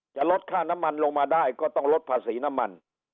จะลดค่าน้ำมันลงมาได้ก็ต้องลดภาษีน้ำมัน